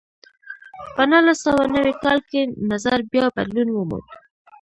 په نولس سوه نوي کال کې نظر بیا بدلون وموند.